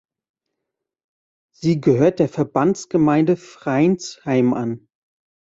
Sie gehört der Verbandsgemeinde Freinsheim an.